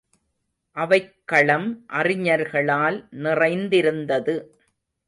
அவைக் களம் அறிஞர்களால் நிறைந்திருந்தது.